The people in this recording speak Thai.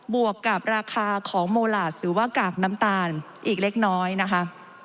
วกกับราคาของโมหลาดหรือว่ากากน้ำตาลอีกเล็กน้อยนะคะ